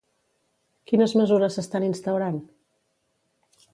Quines mesures s'estan instaurant?